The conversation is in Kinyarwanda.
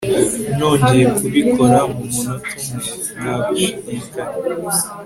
nongeye kubikora mumunota umwe, ntagushidikanya